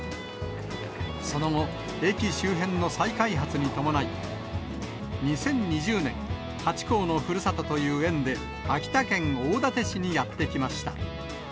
その後、駅周辺の再開発に伴い、２０２０年、ハチ公のふるさとという縁で、秋田県大館市にやって来ました。